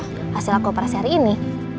hasil aku operasi hari ini